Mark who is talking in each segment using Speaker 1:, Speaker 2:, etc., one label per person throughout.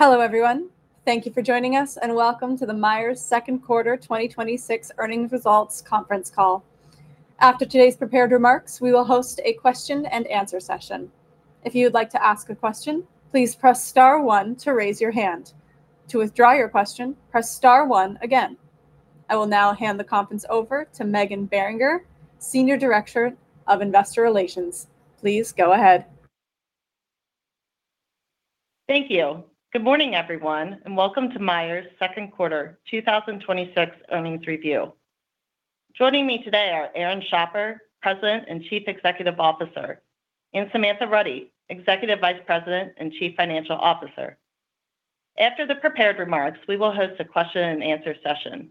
Speaker 1: Hello, everyone. Thank you for joining us, and welcome to the Myers Second Quarter 2026 Earnings Results Conference Call. After today's prepared remarks, we will host a question and answer session. If you would like to ask a question, please press star one to raise your hand. To withdraw your question, press star one again. I will now hand the conference over to Meghan Beringer, Senior Director of Investor Relations. Please go ahead.
Speaker 2: Thank you. Good morning, everyone, and welcome to Myers' Second Quarter 2026 Earnings Review. Joining me today are Aaron Schapper, President and Chief Executive Officer, and Samantha Rutty, Executive Vice President and Chief Financial Officer. After the prepared remarks, we will host a question-and-answer session.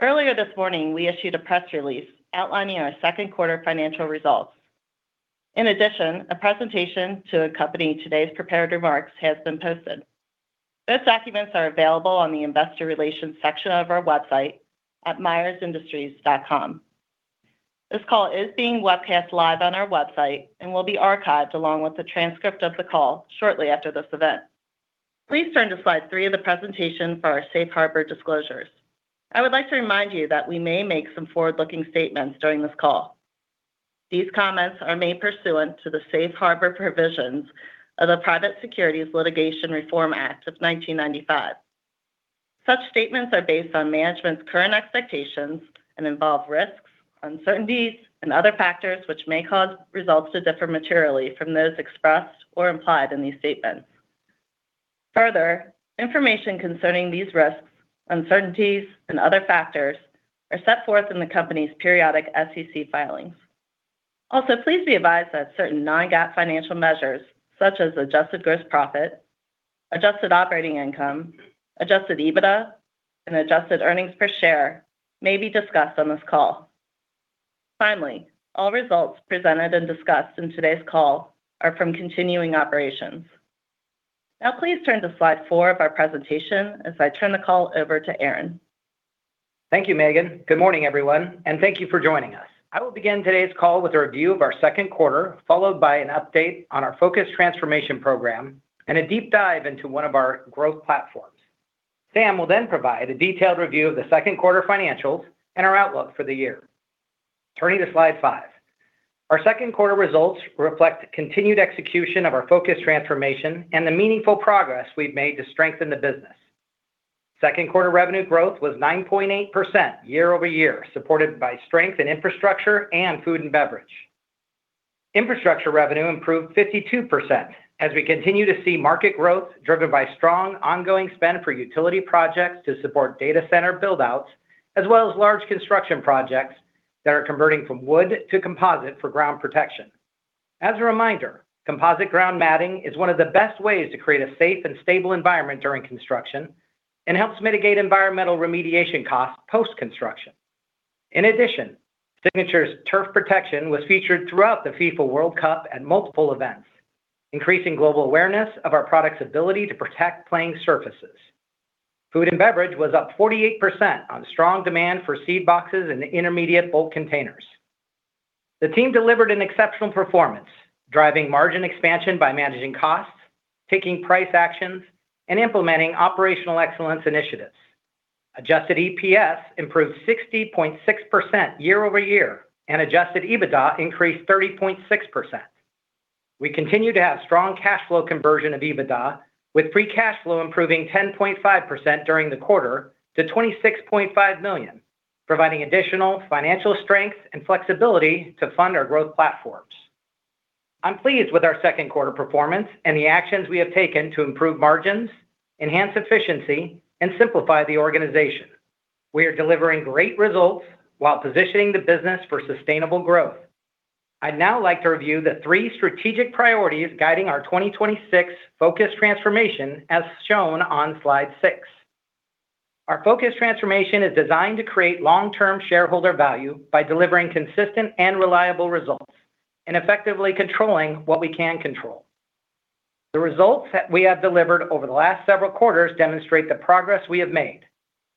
Speaker 2: Earlier this morning, we issued a press release outlining our second quarter financial results. A presentation to accompany today's prepared remarks has been posted. Those documents are available on the investor relations section of our website at myersindustries.com. This call is being webcast live on our website and will be archived along with the transcript of the call shortly after this event. Please turn to slide three of the presentation for our safe harbor disclosures. I would like to remind you that we may make some forward-looking statements during this call. These comments are made pursuant to the safe harbor provisions of the Private Securities Litigation Reform Act of 1995. Such statements are based on management's current expectations and involve risks, uncertainties, and other factors which may cause results to differ materially from those expressed or implied in these statements. Information concerning these risks, uncertainties, and other factors are set forth in the company's periodic SEC filings. Please be advised that certain non-GAAP financial measures, such as adjusted gross profit, adjusted operating income, adjusted EBITDA, and adjusted earnings per share may be discussed on this call. All results presented and discussed in today's call are from continuing operations. Please turn to slide four of our presentation as I turn the call over to Aaron.
Speaker 3: Thank you, Meghan. Good morning, everyone, thank you for joining us. I will begin today's call with a review of our second quarter, followed by an update on our Focused Transformation program and a deep dive into one of our growth platforms. Sam will provide a detailed review of the second quarter financials and our outlook for the year. Turning to slide five. Our second quarter results reflect continued execution of our Focused Transformation and the meaningful progress we've made to strengthen the business. Second quarter revenue growth was 9.8% year-over-year, supported by strength in infrastructure and food and beverage. Infrastructure revenue improved 52% as we continue to see market growth driven by strong ongoing spend for utility projects to support data center build-outs, as well as large construction projects that are converting from wood to composite for ground protection. As a reminder, composite ground matting is one of the best ways to create a safe and stable environment during construction and helps mitigate environmental remediation costs post-construction. In addition, Signature's turf protection was featured throughout the FIFA World Cup at multiple events, increasing global awareness of our product's ability to protect playing surfaces. Food and beverage was up 48% on strong demand for seed boxes and intermediate bulk containers. The team delivered an exceptional performance, driving margin expansion by managing costs, taking price actions, and implementing operational excellence initiatives. Adjusted EPS improved 60.6% year-over-year, and adjusted EBITDA increased 30.6%. We continue to have strong cash flow conversion of EBITDA, with free cash flow improving 10.5% during the quarter to $26.5 million, providing additional financial strength and flexibility to fund our growth platforms. I'm pleased with our second quarter performance and the actions we have taken to improve margins, enhance efficiency, and simplify the organization. We are delivering great results while positioning the business for sustainable growth. I'd now like to review the three strategic priorities guiding our 2026 Focused Transformation, as shown on slide six. Our Focused Transformation is designed to create long-term shareholder value by delivering consistent and reliable results and effectively controlling what we can control. The results that we have delivered over the last several quarters demonstrate the progress we have made.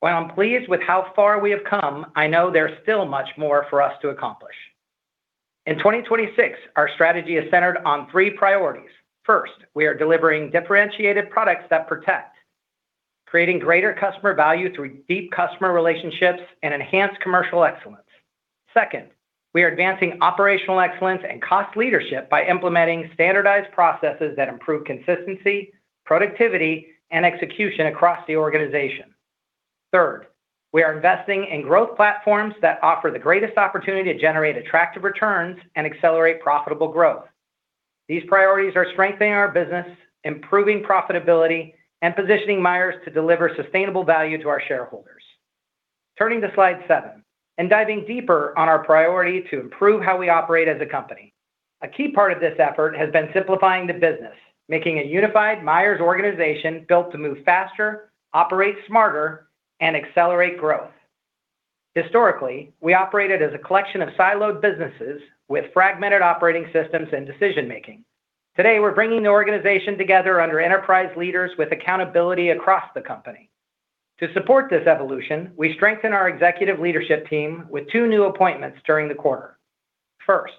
Speaker 3: While I'm pleased with how far we have come, I know there's still much more for us to accomplish. In 2026, our strategy is centered on three priorities. First, we are delivering differentiated products that protect, creating greater customer value through deep customer relationships and enhanced commercial excellence. Second, we are advancing operational excellence and cost leadership by implementing standardized processes that improve consistency, productivity, and execution across the organization. Third, we are investing in growth platforms that offer the greatest opportunity to generate attractive returns and accelerate profitable growth. These priorities are strengthening our business, improving profitability, and positioning Myers to deliver sustainable value to our shareholders. Turning to slide seven and diving deeper on our priority to improve how we operate as a company. A key part of this effort has been simplifying the business, making a unified Myers organization built to move faster, operate smarter, and accelerate growth. Historically, we operated as a collection of siloed businesses with fragmented operating systems and decision-making. Today, we're bringing the organization together under enterprise leaders with accountability across the company. To support this evolution, we strengthened our executive leadership team with two new appointments during the quarter. First,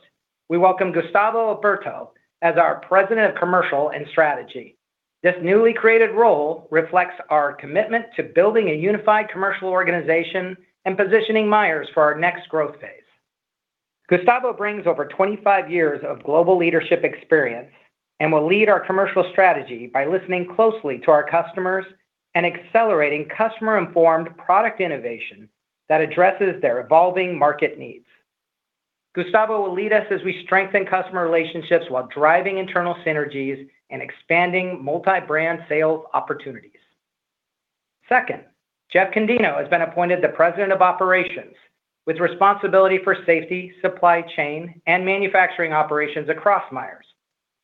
Speaker 3: we welcome Gustavo Oberto as our President of Commercial and Strategy. This newly created role reflects our commitment to building a unified commercial organization and positioning Myers for our next growth phase. Gustavo brings over 25 years of global leadership experience and will lead our commercial strategy by listening closely to our customers and accelerating customer-informed product innovation that addresses their evolving market needs. Gustavo will lead us as we strengthen customer relationships while driving internal synergies and expanding multi-brand sales opportunities. Second, Jeff Condino has been appointed the President of Operations, with responsibility for safety, supply chain, and manufacturing operations across Myers.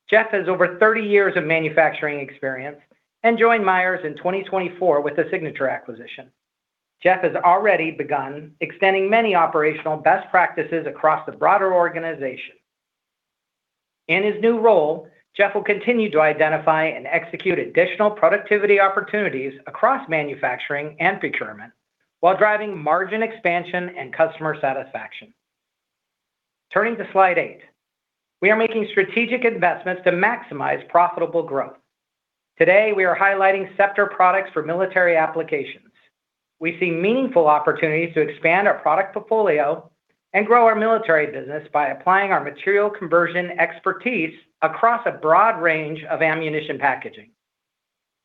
Speaker 3: Jeff has over 30 years of manufacturing experience and joined Myers in 2024 with the Signature acquisition. Jeff has already begun extending many operational best practices across the broader organization. In his new role, Jeff will continue to identify and execute additional productivity opportunities across manufacturing and procurement while driving margin expansion and customer satisfaction. Turning to slide eight. We are making strategic investments to maximize profitable growth. Today, we are highlighting Scepter products for military applications. We see meaningful opportunities to expand our product portfolio and grow our military business by applying our material conversion expertise across a broad range of ammunition packaging.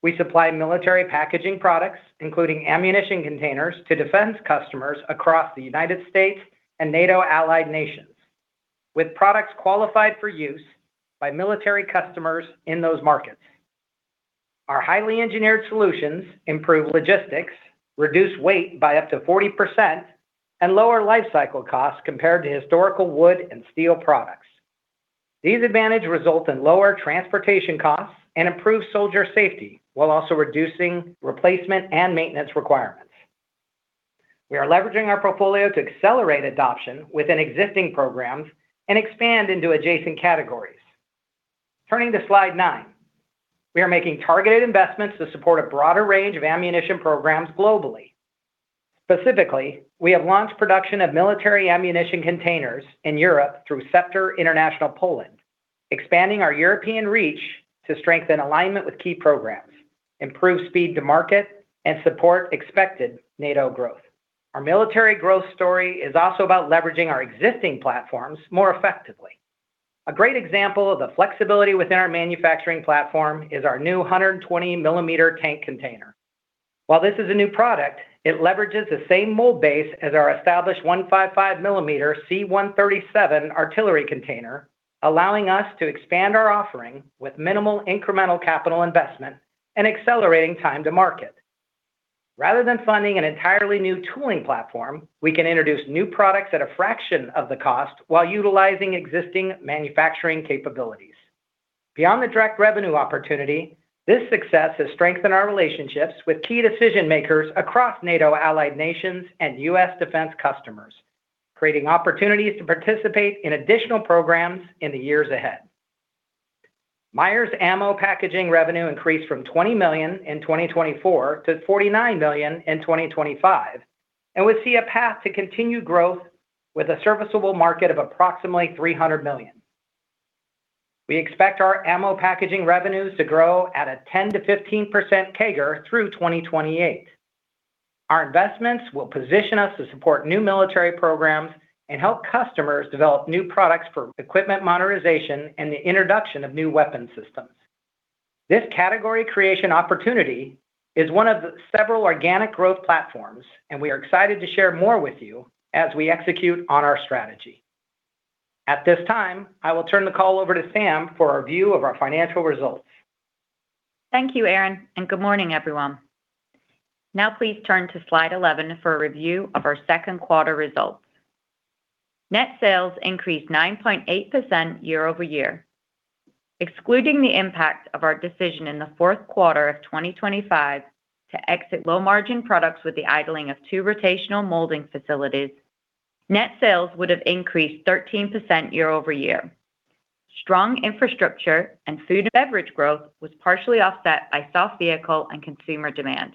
Speaker 3: We supply military packaging products, including ammunition containers, to defense customers across the U.S. and NATO allied nations, with products qualified for use by military customers in those markets. Our highly engineered solutions improve logistics, reduce weight by up to 40%, and lower lifecycle costs compared to historical wood and steel products. These advantages result in lower transportation costs and improved soldier safety while also reducing replacement and maintenance requirements. We are leveraging our portfolio to accelerate adoption within existing programs and expand into adjacent categories. Turning to slide nine. We are making targeted investments to support a broader range of ammunition programs globally. Specifically, we have launched production of military ammunition containers in Europe through Scepter International Poland, expanding our European reach to strengthen alignment with key programs, improve speed to market, and support expected NATO growth. Our military growth story is also about leveraging our existing platforms more effectively. A great example of the flexibility within our manufacturing platform is our new 120-millimeter tank container. While this is a new product, it leverages the same mold base as our established 155-millimeter C137 artillery container, allowing us to expand our offering with minimal incremental capital investment and accelerating time to market. Rather than funding an entirely new tooling platform, we can introduce new products at a fraction of the cost while utilizing existing manufacturing capabilities. Beyond the direct revenue opportunity, this success has strengthened our relationships with key decision-makers across NATO allied nations and U.S. defense customers, creating opportunities to participate in additional programs in the years ahead. Myers Ammo Packaging revenue increased from $20 million in 2024 to $49 million in 2025, and we see a path to continued growth with a serviceable market of approximately $300 million. We expect our ammo packaging revenues to grow at a 10%-15% CAGR through 2028. Our investments will position us to support new military programs and help customers develop new products for equipment monetization and the introduction of new weapon systems. This category creation opportunity is one of several organic growth platforms, and we are excited to share more with you as we execute on our strategy. At this time, I will turn the call over to Sam for a view of our financial results.
Speaker 4: Thank you, Aaron, and good morning, everyone. Please turn to slide 11 for a review of our second quarter results. Net sales increased 9.8% year-over-year. Excluding the impact of our decision in the fourth quarter of 2025 to exit low-margin products with the idling of two rotational molding facilities, net sales would have increased 13% year-over-year. Strong infrastructure and food and beverage growth was partially offset by soft vehicle and consumer demand.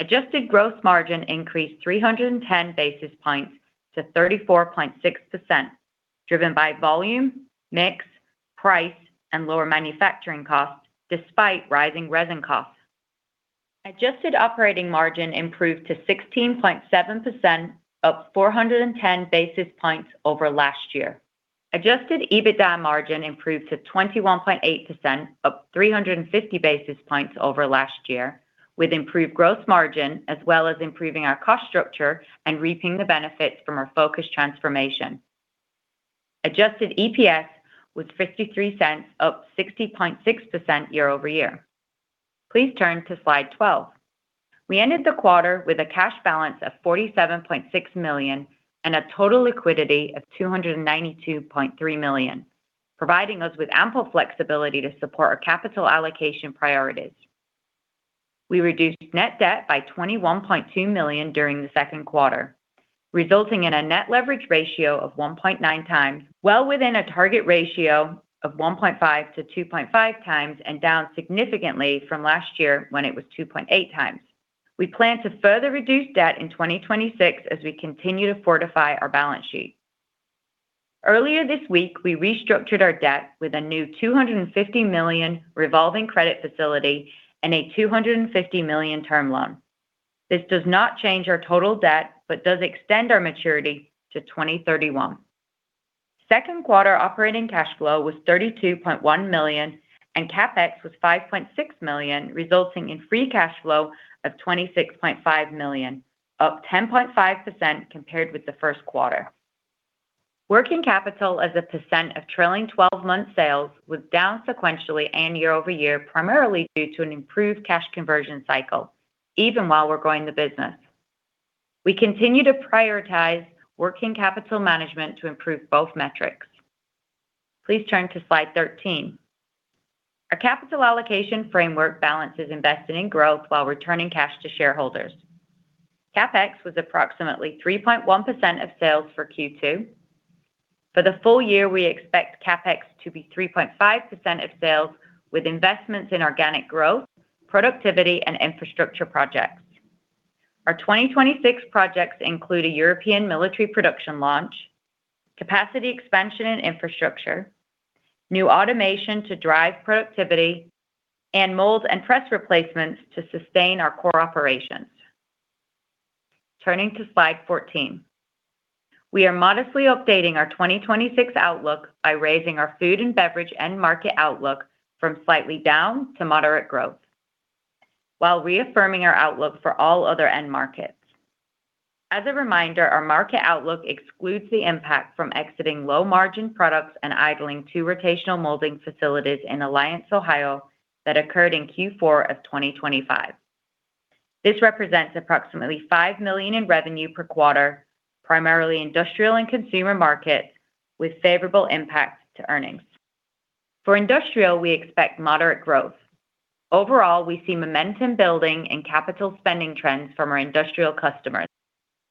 Speaker 4: Adjusted gross margin increased 310 basis points to 34.6%, driven by volume, mix, price, and lower manufacturing costs despite rising resin costs. Adjusted operating margin improved to 16.7%, up 410 basis points over last year. Adjusted EBITDA margin improved to 21.8%, up 350 basis points over last year with improved gross margin as well as improving our cost structure and reaping the benefits from our Focused Transformation. Adjusted EPS was $0.53, up 60.6% year-over-year. Please turn to slide 12. We ended the quarter with a cash balance of $47.6 million and a total liquidity of $292.3 million, providing us with ample flexibility to support our capital allocation priorities. We reduced net debt by $21.2 million during the second quarter, resulting in a net leverage ratio of 1.9x, well within a target ratio of 1.5x-2.5x and down significantly from last year when it was 2.8x. We plan to further reduce debt in 2026 as we continue to fortify our balance sheet. Earlier this week, we restructured our debt with a new $250 million revolving credit facility and a $250 million term loan. This does not change our total debt, but does extend our maturity to 2031. Second quarter operating cash flow was $32.1 million, and CapEx was $5.6 million, resulting in free cash flow of $26.5 million, up 10.5% compared with the first quarter. Working capital as a percent of trailing 12-month sales was down sequentially and year-over-year, primarily due to an improved cash conversion cycle even while we're growing the business. We continue to prioritize working capital management to improve both metrics. Please turn to slide 13. Our capital allocation framework balances investing in growth while returning cash to shareholders. CapEx was approximately 3.1% of sales for Q2. For the full year, we expect CapEx to be 3.5% of sales, with investments in organic growth, productivity, and infrastructure projects. Our 2026 projects include a European military production launch, capacity expansion and infrastructure, new automation to drive productivity, and mold and press replacements to sustain our core operations. Turning to slide 14. We are modestly updating our 2026 outlook by raising our food and beverage end market outlook from slightly down to moderate growth, while reaffirming our outlook for all other end markets. As a reminder, our market outlook excludes the impact from exiting low-margin products and idling two rotational molding facilities in Alliance, Ohio, that occurred in Q4 of 2025. This represents approximately $5 million in revenue per quarter, primarily industrial and consumer markets with favorable impact to earnings. For industrial, we expect moderate growth. Overall, we see momentum building in capital spending trends from our industrial customers.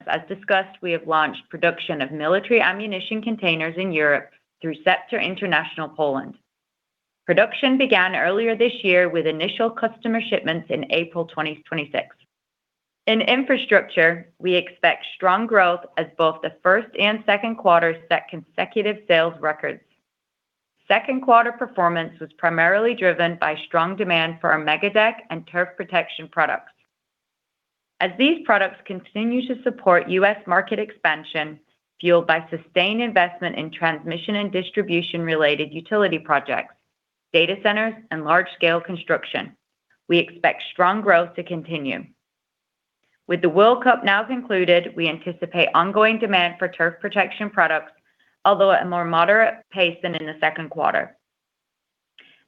Speaker 4: As discussed, we have launched production of military ammunition containers in Europe through Scepter International Poland. Production began earlier this year with initial customer shipments in April 2026. In infrastructure, we expect strong growth as both the first and second quarters set consecutive sales records. Second quarter performance was primarily driven by strong demand for our MegaDeck and turf protection products. As these products continue to support U.S. market expansion, fueled by sustained investment in transmission and distribution-related utility projects, data centers, and large-scale construction, we expect strong growth to continue. With the World Cup now concluded, we anticipate ongoing demand for turf protection products, although at a more moderate pace than in the second quarter.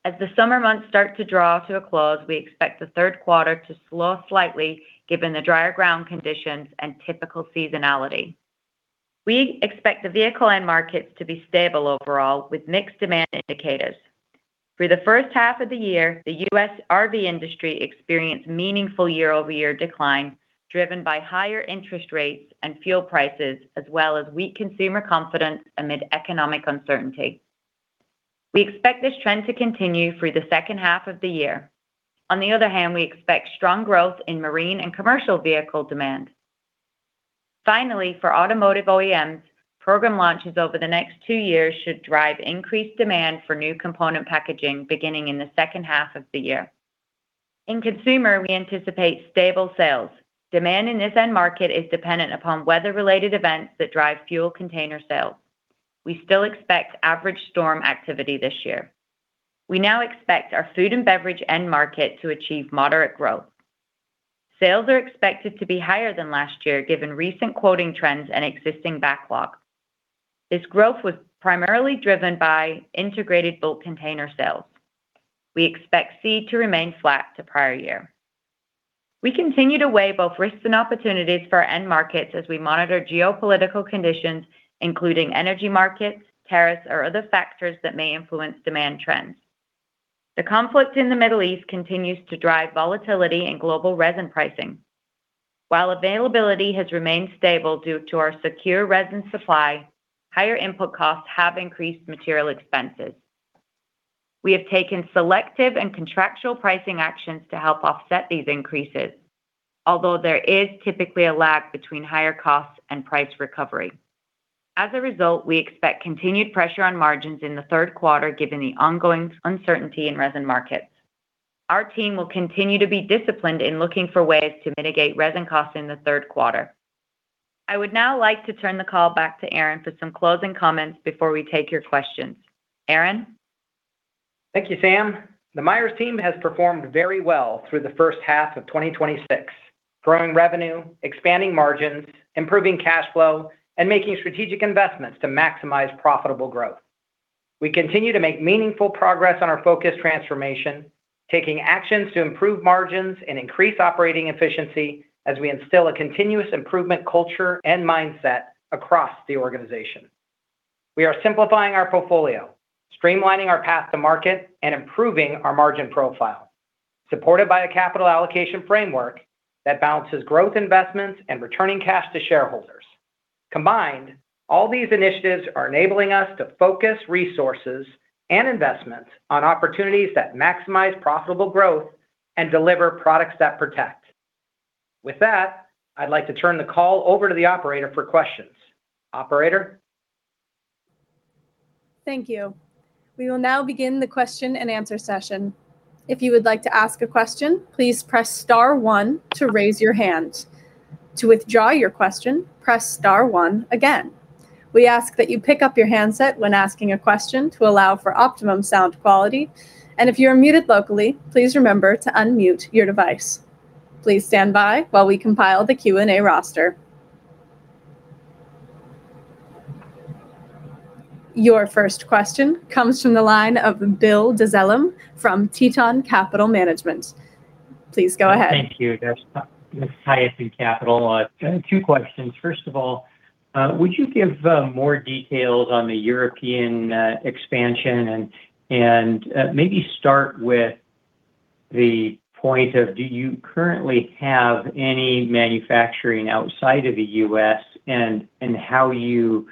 Speaker 4: As the summer months start to draw to a close, we expect the third quarter to slow slightly given the drier ground conditions and typical seasonality. We expect the vehicle end markets to be stable overall, with mixed demand indicators. For the first half of the year, the U.S. RV industry experienced meaningful year-over-year decline driven by higher interest rates and fuel prices, as well as weak consumer confidence amid economic uncertainty. We expect this trend to continue through the second half of the year. On the other hand, we expect strong growth in marine and commercial vehicle demand. Finally, for automotive OEMs, program launches over the next two years should drive increased demand for new component packaging beginning in the second half of the year. In consumer, we anticipate stable sales. Demand in this end market is dependent upon weather-related events that drive fuel container sales. We still expect average storm activity this year. We now expect our food and beverage end market to achieve moderate growth. Sales are expected to be higher than last year given recent quoting trends and existing backlog. This growth was primarily driven by integrated bulk container sales. We expect C137 to remain flat to prior year. We continue to weigh both risks and opportunities for our end markets as we monitor geopolitical conditions, including energy markets, tariffs, or other factors that may influence demand trends. The conflict in the Middle East continues to drive volatility in global resin pricing. While availability has remained stable due to our secure resin supply, higher input costs have increased material expenses. We have taken selective and contractual pricing actions to help offset these increases, although there is typically a lag between higher costs and price recovery. We expect continued pressure on margins in the third quarter given the ongoing uncertainty in resin markets. Our team will continue to be disciplined in looking for ways to mitigate resin costs in the third quarter. I would now like to turn the call back to Aaron for some closing comments before we take your questions. Aaron?
Speaker 3: Thank you, Sam. The Myers team has performed very well through the first half of 2026, growing revenue, expanding margins, improving cash flow, and making strategic investments to maximize profitable growth. We continue to make meaningful progress on our Focused Transformation, taking actions to improve margins and increase operating efficiency as we instill a continuous improvement culture and mindset across the organization. We are simplifying our portfolio, streamlining our path to market, and improving our margin profile, supported by a capital allocation framework that balances growth investments and returning cash to shareholders. All these initiatives are enabling us to focus resources and investments on opportunities that maximize profitable growth and deliver products that protect. With that, I'd like to turn the call over to the operator for questions. Operator?
Speaker 1: Thank you. We will now begin the question-and-answer session. If you would like to ask a question, please press star one to raise your hand. To withdraw your question, press star one again. We ask that you pick up your handset when asking a question to allow for optimum sound quality, and if you are muted locally, please remember to unmute your device. Please stand by while we compile the Q&A roster. Your first question comes from the line of Bill Dezellem from Teton Capital Management. Please go ahead.
Speaker 5: Thank you. This is Bill Dezellem with Teton Capital. Two questions. First of all, would you give more details on the European expansion? Maybe start with the point of do you currently have any manufacturing outside of the U.S., how you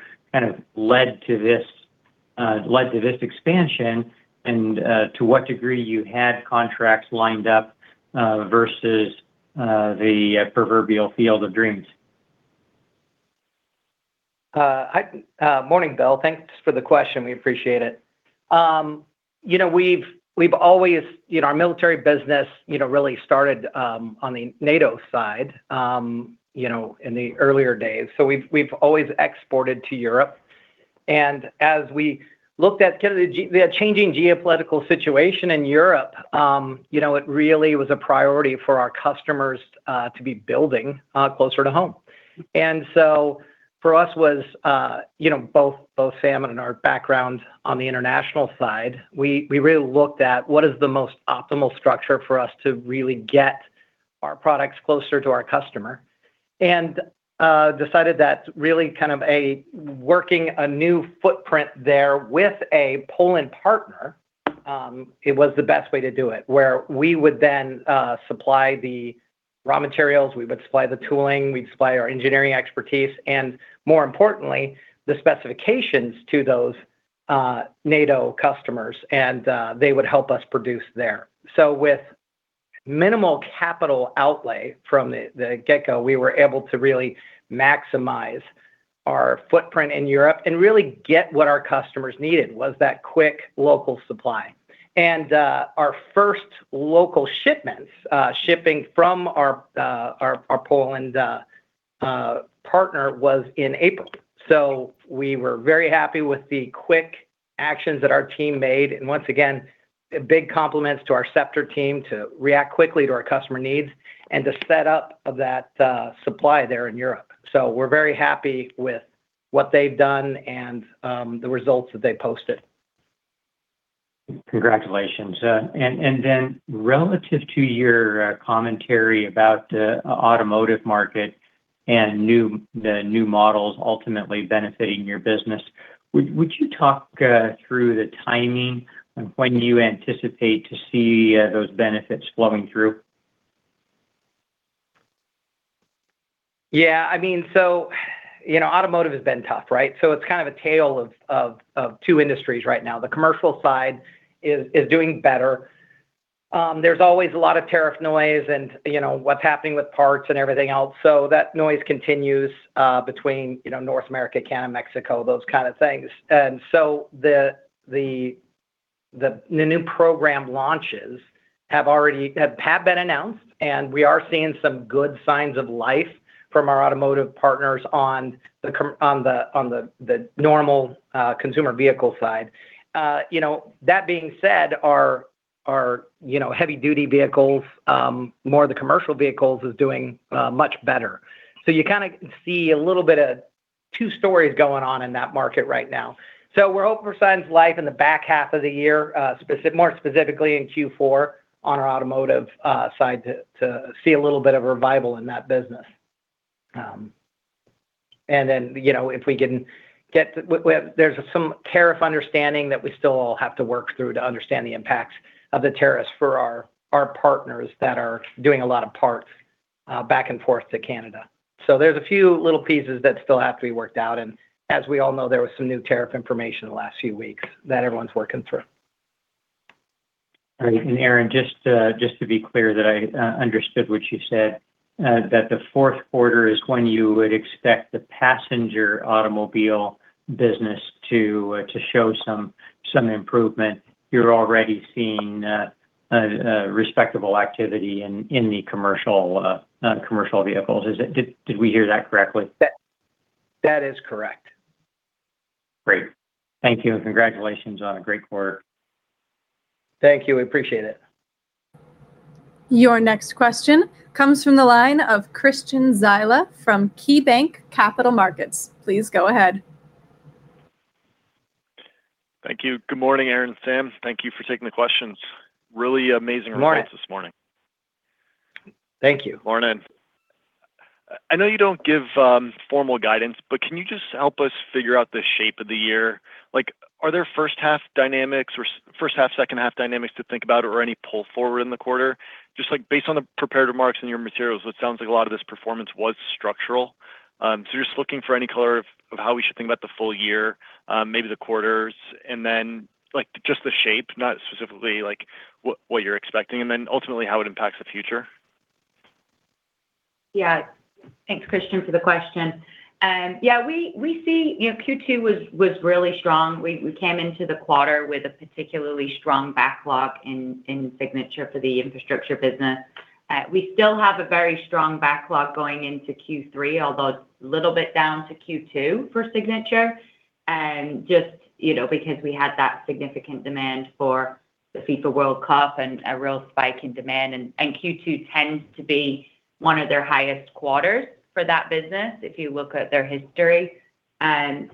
Speaker 5: led to this expansion, and to what degree you had contracts lined up versus the proverbial field of dreams?
Speaker 3: Morning, Bill. Thanks for the question. We appreciate it. Our military business really started on the NATO side in the earlier days. We've always exported to Europe. As we looked at the changing geopolitical situation in Europe, it really was a priority for our customers to be building closer to home. For us, both Sam and our background on the international side, we really looked at what is the most optimal structure for us to really get our products closer to our customer and decided that really working a new footprint there with a Poland partner, it was the best way to do it. We would then supply the raw materials, we would supply the tooling, we'd supply our engineering expertise, and more importantly, the specifications to those NATO customers, and they would help us produce there. With minimal capital outlay from the get-go, we were able to really maximize our footprint in Europe and really get what our customers needed, was that quick local supply. Our first local shipments shipping from our Poland partner was in April. We were very happy with the quick actions that our team made. Once again, a big compliments to our Scepter team to react quickly to our customer needs and to set up that supply there in Europe. We're very happy with what they've done and the results that they posted.
Speaker 5: Congratulations. Then relative to your commentary about the automotive market and the new models ultimately benefiting your business, would you talk through the timing and when you anticipate to see those benefits flowing through?
Speaker 3: Yeah. Automotive has been tough, right? It's kind of a tale of two industries right now. The commercial side is doing better. There's always a lot of tariff noise and what's happening with parts and everything else. That noise continues between North America, Canada, Mexico, those kind of things. The new program launches have been announced, and we are seeing some good signs of life from our automotive partners on the normal consumer vehicle side. That being said, our heavy-duty vehicles, more of the commercial vehicles, is doing much better. You kind of see a little bit of two stories going on in that market right now. We're hoping for signs of life in the back half of the year, more specifically in Q4 on our automotive side to see a little bit of a revival in that business. Then there's some tariff understanding that we still all have to work through to understand the impacts of the tariffs for our partners that are doing a lot of parts back and forth to Canada. There's a few little pieces that still have to be worked out, and as we all know, there was some new tariff information the last few weeks that everyone's working through.
Speaker 5: Great. Aaron, just to be clear that I understood what you said, that the fourth quarter is when you would expect the passenger automobile business to show some improvement. You're already seeing respectable activity in the commercial vehicles. Did we hear that correctly?
Speaker 3: That is correct.
Speaker 5: Great. Thank you, and congratulations on a great quarter.
Speaker 3: Thank you. We appreciate it.
Speaker 1: Your next question comes from the line of Christian Zyla from KeyBanc Capital Markets. Please go ahead.
Speaker 6: Thank you. Good morning, Aaron and Sam. Thank you for taking the questions. Really amazing results.
Speaker 3: Good morning. Thank you.
Speaker 6: Morning. I know you don't give formal guidance, can you just help us figure out the shape of the year? Are there first half dynamics or first half, second half dynamics to think about, or any pull forward in the quarter? Just based on the prepared remarks in your materials, it sounds like a lot of this performance was structural. Just looking for any color of how we should think about the full year, maybe the quarters, and then just the shape, not specifically what you're expecting, and then ultimately, how it impacts the future.
Speaker 4: Thanks, Christian, for the question. We see Q2 was really strong. We came into the quarter with a particularly strong backlog in Signature for the infrastructure business. We still have a very strong backlog going into Q3, although it's a little bit down to Q2 for Signature, just because we had that significant demand for the FIFA World Cup and a real spike in demand. Q2 tends to be one of their highest quarters for that business, if you look at their history. We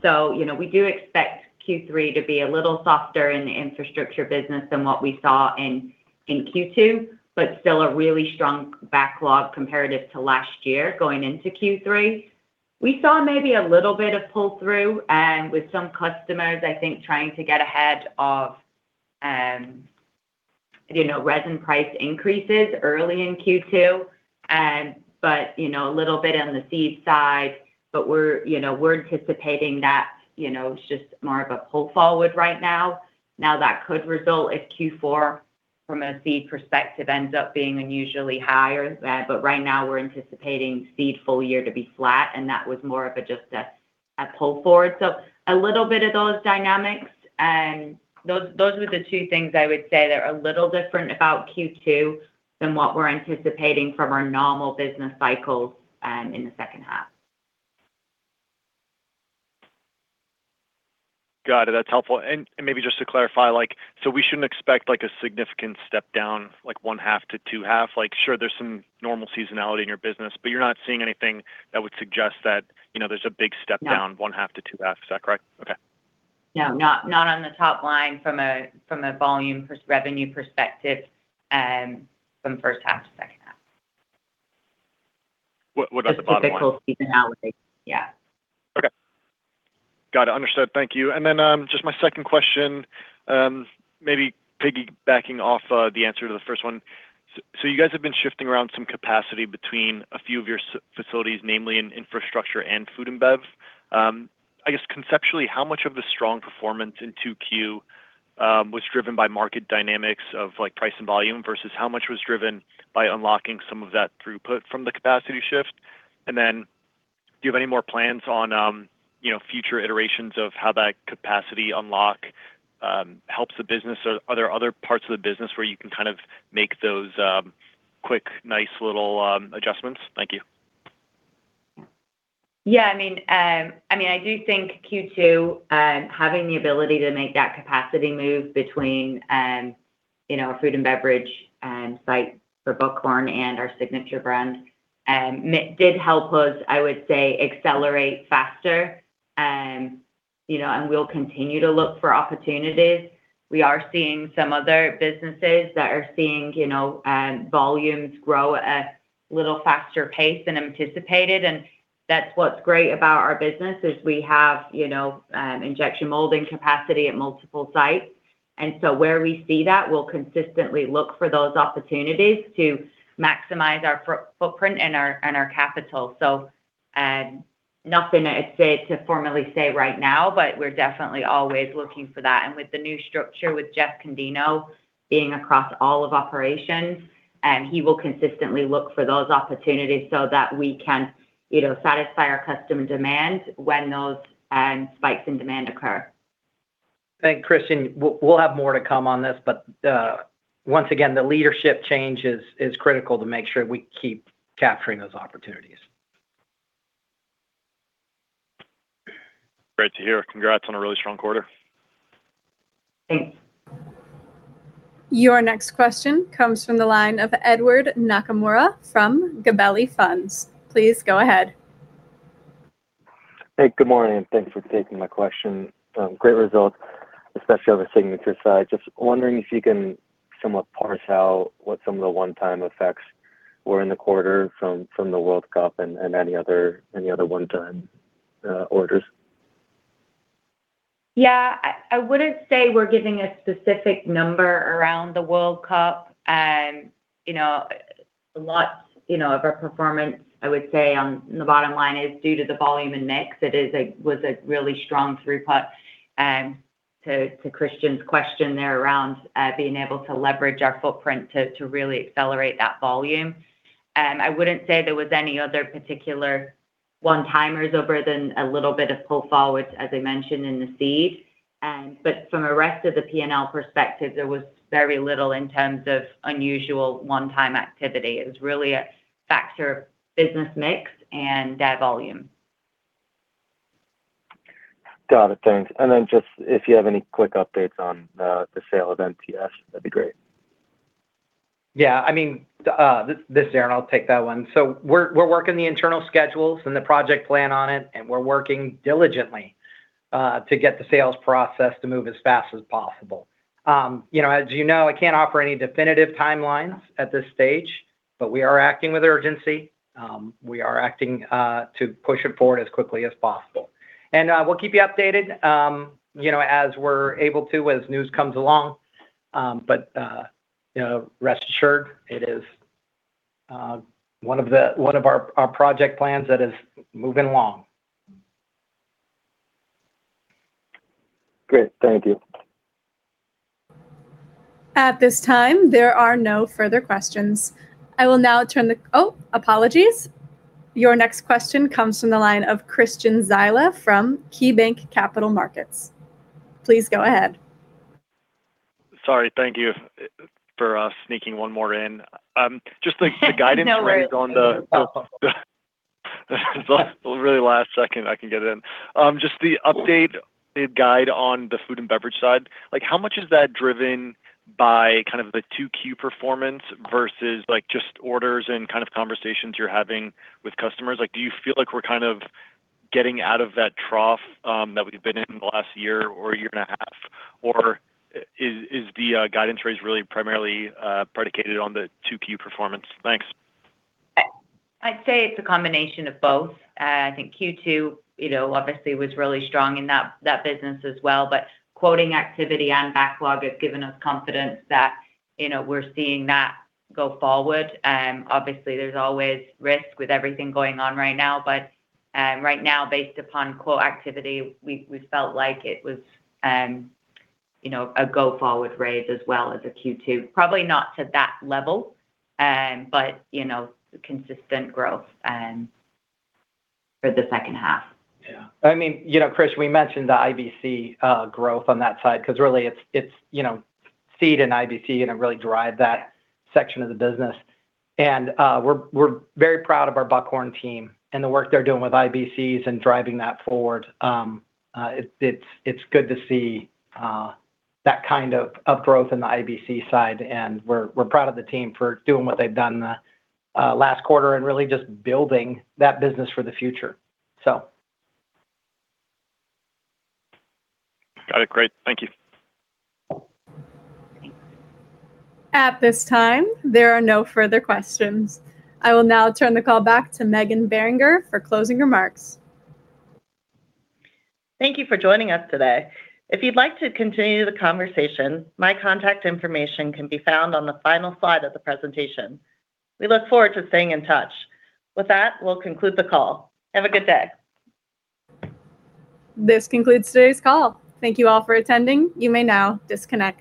Speaker 4: do expect Q3 to be a little softer in the infrastructure business than what we saw in Q2, but still a really strong backlog comparative to last year going into Q3. We saw maybe a little bit of pull-through, with some customers, I think, trying to get ahead of resin price increases early in Q2. A little bit on the seed side, we're anticipating that it's just more of a pull forward right now. That could result, if Q4 from a seed perspective ends up being unusually high or bad. Right now we're anticipating seed full year to be flat, and that was more of a pull forward. A little bit of those dynamics, those were the two things I would say that are a little different about Q2 than what we're anticipating from our normal business cycles in the second half.
Speaker 6: Got it. That's helpful. Maybe just to clarify, we shouldn't expect a significant step down, like one half to two half. Sure, there's some normal seasonality in your business, but you're not seeing anything that would suggest that there's a big step down-
Speaker 4: No
Speaker 6: one half to two half. Is that correct? Okay.
Speaker 4: No, not on the top line from a volume revenue perspective from first half to second half.
Speaker 6: What about the bottom line?
Speaker 4: Just typical seasonality. Yeah.
Speaker 6: Okay. Got it. Understood. Thank you. Just my second question, maybe piggybacking off the answer to the first one. You guys have been shifting around some capacity between a few of your facilities, namely in infrastructure and food and bev. I guess conceptually, how much of the strong performance in 2Q was driven by market dynamics of price and volume, versus how much was driven by unlocking some of that throughput from the capacity shift? Do you have any more plans on future iterations of how that capacity unlock helps the business, or are there other parts of the business where you can kind of make those quick, nice little adjustments? Thank you.
Speaker 4: Yeah. I do think Q2, having the ability to make that capacity move between food and beverage sites for Buckhorn and our Signature brand did help us, I would say, accelerate faster. We'll continue to look for opportunities. We are seeing some other businesses that are seeing volumes grow at a little faster pace than anticipated. That's what's great about our business, is we have injection molding capacity at multiple sites. Where we see that, we'll consistently look for those opportunities to maximize our footprint and our capital. Nothing to formally say right now, but we're definitely always looking for that. With the new structure with Jeff Condino being across all of operations, he will consistently look for those opportunities so that we can satisfy our customer demand when those spikes in demand occur.
Speaker 3: Christian, we'll have more to come on this, but once again, the leadership change is critical to make sure we keep capturing those opportunities.
Speaker 6: Great to hear. Congrats on a really strong quarter.
Speaker 3: Thanks.
Speaker 1: Your next question comes from the line of Edward Nakamura from Gabelli Funds. Please go ahead.
Speaker 7: Good morning, thanks for taking my question. Great result, especially on the Signature side. Just wondering if you can somewhat parse out what some of the one-time effects were in the quarter from the World Cup and any other one-time orders.
Speaker 4: I wouldn't say we're giving a specific number around the World Cup. A lot of our performance, I would say, on the bottom line is due to the volume and mix. It was a really strong throughput. To Christian's question there around being able to leverage our footprint to really accelerate that volume. I wouldn't say there was any other particular one-timers other than a little bit of pull forwards, as I mentioned in the seed. From a rest of the P&L perspective, there was very little in terms of unusual one-time activity. It was really a factor of business mix and that volume.
Speaker 7: Got it. Thanks. Then just if you have any quick updates on the sale of MTS, that'd be great.
Speaker 3: Yeah. This is Aaron. I'll take that one. We're working the internal schedules and the project plan on it, and we're working diligently to get the sales process to move as fast as possible. As you know, I can't offer any definitive timelines at this stage. We are acting with urgency. We are acting to push it forward as quickly as possible. We'll keep you updated as we're able to, as news comes along. Rest assured, it is one of our project plans that is moving along.
Speaker 7: Great. Thank you.
Speaker 1: At this time, there are no further questions. Your next question comes from the line of Christian Zyla from KeyBanc Capital Markets. Please go ahead.
Speaker 6: Sorry. Thank you for sneaking one more in.
Speaker 4: No worries.
Speaker 6: really last second I can get in. Just the update guide on the food and beverage side, how much is that driven by the 2Q performance versus just orders and conversations you're having with customers? Do you feel like we're getting out of that trough that we've been in the last year or year and a half? Or is the guidance raise really primarily predicated on the 2Q performance? Thanks.
Speaker 4: I'd say it's a combination of both. I think Q2, obviously, was really strong in that business as well, but quoting activity and backlog have given us confidence that we're seeing that go forward. Obviously, there's always risk with everything going on right now. Right now, based upon quote activity, we felt like it was a go-forward raise as well as a Q2. Probably not to that level, but consistent growth for the second half.
Speaker 3: Yeah. Chris, we mentioned the IBC growth on that side because really it's seed and IBC that really drive that section of the business. We're very proud of our Buckhorn team and the work they're doing with IBCs and driving that forward. It's good to see that kind of growth in the IBC side, and we're proud of the team for doing what they've done last quarter and really just building that business for the future.
Speaker 6: Got it. Great. Thank you.
Speaker 1: At this time, there are no further questions. I will now turn the call back to Meghan Beringer for closing remarks.
Speaker 2: Thank you for joining us today. If you'd like to continue the conversation, my contact information can be found on the final slide of the presentation. We look forward to staying in touch. With that, we'll conclude the call. Have a good day.
Speaker 1: This concludes today's call. Thank you all for attending. You may now disconnect.